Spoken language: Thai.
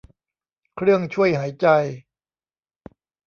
เครื่องช่วยหายใจ